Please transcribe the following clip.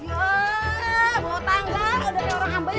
ya mau tangga udah orang ambil